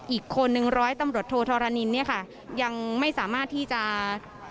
อีกคนนึงร้อยตำรวจโทธรณินเนี่ยค่ะยังไม่สามารถที่จะ